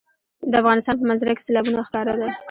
د افغانستان په منظره کې سیلابونه ښکاره ده.